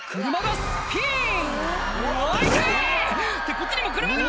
こっちにも車が！」